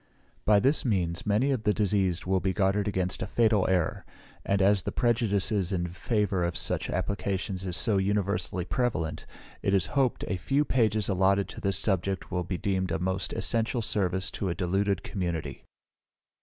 By this means many of the diseased will be guarded against a fatal error: and as the prejudice in favour of such applications is so universally prevalent, it is hoped a few pages allotted to this subject will be deemed a most essential service to a deluded community.